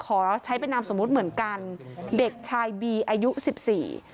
ขอใช้เป็นนามสมมุติเหมือนกันเด็กชายบีอายุสิบสี่